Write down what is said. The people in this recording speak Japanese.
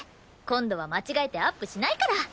今度は間違えてアップしないから！